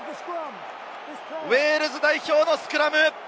ウェールズ代表のスクラム。